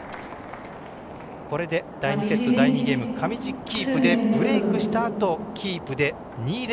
これで第２セット第２ゲーム上地キープでブレークしたあとキープで２−０。